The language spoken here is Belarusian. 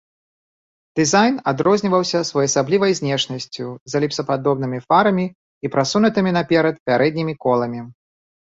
Дызайн адрозніваўся своеасаблівай знешнасцю з эліпсападобнымі фарамі і прасунутымі наперад пярэднімі коламі.